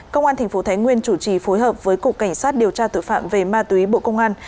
công an thành phố thái nguyên chủ trì phối hợp với cục cảnh sát điều tra tự phạm về ma túy bộ công an